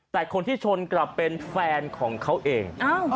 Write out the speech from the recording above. แต่คนที่ชนกลับเป็นแฟนของเขาเอง